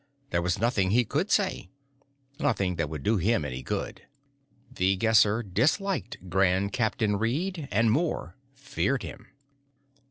There was nothing he could say. Nothing that would do him any good. The Guesser disliked Grand Captain Reed and more, feared him.